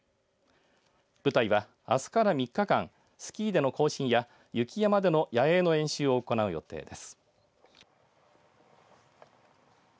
部隊は、あすから３日間スキーでの行進や雪山での野営の演習を行う予定です。